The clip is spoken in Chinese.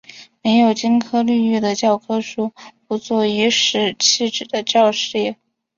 没有金科绿玉的教科书，不做颐使气指的教师爷